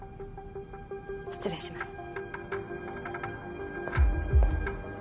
失礼します。